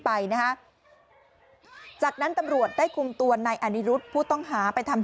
ไปนะฮะจากนั้นตำรวจได้คุมตัวนายอนิรุธผู้ต้องหาไปทำ